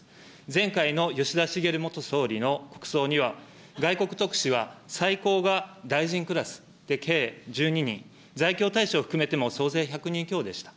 前回の吉田茂元総理の国葬には、外国特使は最高が大臣クラスで計１２人、在京大使を含めても、総勢１００人強でした。